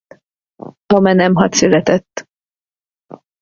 Amenemhat született.